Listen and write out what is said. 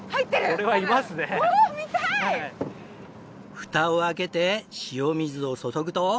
フタを開けて塩水を注ぐと。